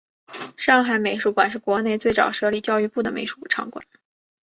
上海美术馆是国内最早设立教育部的美术场馆。